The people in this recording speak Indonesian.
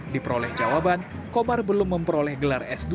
diperoleh jawaban kobar belum memperoleh gelar s dua